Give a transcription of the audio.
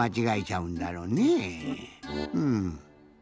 うん。